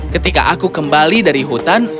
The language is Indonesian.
ketika aku kembali dari hutan